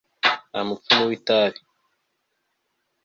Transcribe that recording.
nta mupfu w'itabi